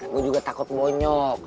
gue juga takut bonyok